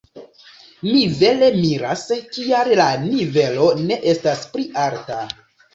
Mi vere miras, kial la nivelo ne estas pli alta.